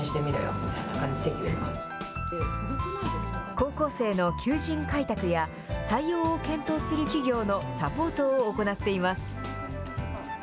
高校生の求人開拓や、採用を検討する企業のサポートを行っています。